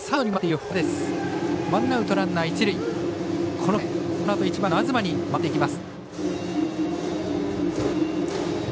このあと１番の東に回ってきます。